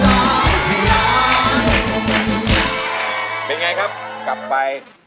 ก็อย่างไรครับกลับไป